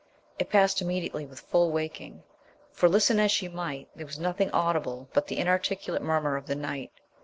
It passed immediately with full waking, for, listen as she might, there was nothing audible but the inarticulate murmur of the night.